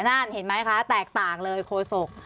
นั่นเห็นไหมคะแตกต่างเลยโคศก